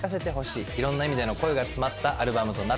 いろんな意味での声が詰まったアルバムとなっております。